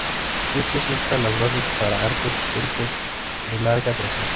Esto sienta las bases para arcos históricos de larga duración.